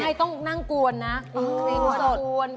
ใช่ต้องนั่งกวนนะเพลงสด